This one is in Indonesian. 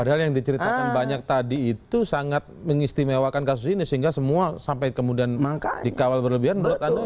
padahal yang diceritakan banyak tadi itu sangat mengistimewakan kasus ini sehingga semua sampai kemudian dikawal berlebihan menurut anda